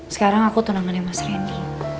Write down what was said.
sekarang aku tunangannya mas rendy